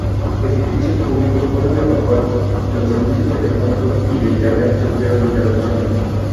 Edificios públicos fueron evacuados y los servicios telefónicos y de Internet sufrieron interrupciones.